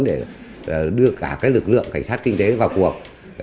để đưa cả lực lượng cảnh sát kinh tế vào cuộc